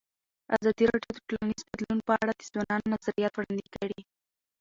ازادي راډیو د ټولنیز بدلون په اړه د ځوانانو نظریات وړاندې کړي.